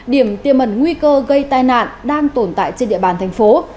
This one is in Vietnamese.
điểm tiêm ẩn nguy cơ gây tai nạn đang tồn tại trên địa bàn thành phố